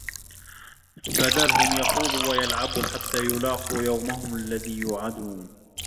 فَذَرهُم يَخوضوا وَيَلعَبوا حَتّى يُلاقوا يَومَهُمُ الَّذي يوعَدونَ